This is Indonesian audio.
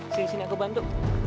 sini sini aku bantu